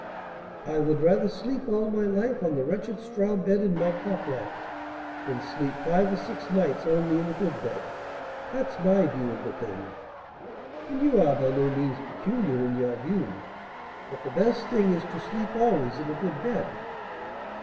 I would rather sleep all my life on the wretched straw bed in my cock loft, than sleep five or six nights only in a good bed. That's my view of the thing." "And you are by no means peculiar in your view; but the best thing is to sleep always in a good bed."